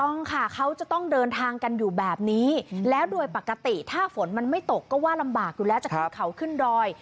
ต้องค่ะเขาจะต้องเดินทางกันอยู่แบบนี้แล้วโดยปกติถ้าฝนมันไม่ตกก็ว่าลำบากอยู่แล้วจะขึ้นเขาขึ้นดอย